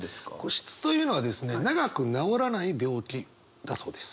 痼疾というのはですね長く治らない病気だそうです。